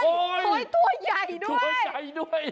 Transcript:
โอ๊ยตัวใหญ่ด้วยตัวใหญ่ด้วย